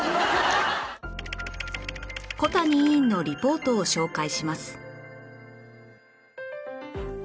小谷委員のリポートを紹介します